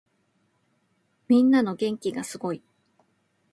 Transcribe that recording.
みんなの元気がすごい。